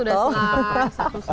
ini sudah slice